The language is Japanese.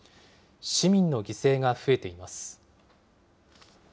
市民の犠牲が増えています。